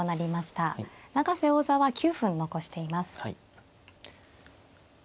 永瀬王座は９分残しています。